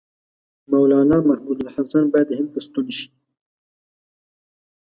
مولنا محمودالحسن باید هند ته ستون شي.